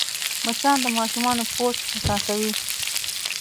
مچان د ماشومانو پوست حساسوې